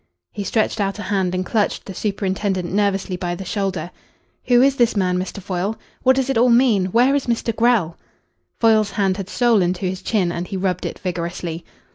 He stretched out a hand and clutched the superintendent nervously by the shoulder. "Who is this man, Mr. Foyle? What does it all mean? Where is Mr. Grell?" Foyle's hand had stolen to his chin and he rubbed it vigorously.